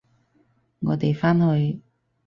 我哋返去！